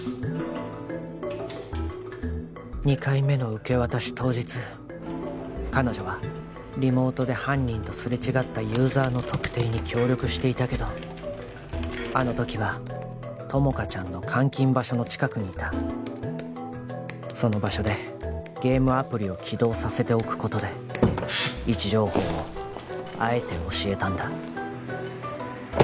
２回目の受け渡し当日彼女はリモートで犯人とすれ違ったユーザーの特定に協力していたけどあの時は友果ちゃんの監禁場所の近くにいたその場所でゲームアプリを起動させておくことで位置情報をあえて教えたんだ